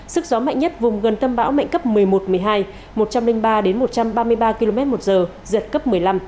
sức gió mạnh nhất ở vùng gần tâm bão mạnh cấp một mươi một từ một trăm linh ba đến một trăm ba mươi ba km một giờ giật cấp một mươi năm